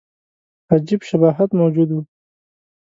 عجیب شباهت موجود وو.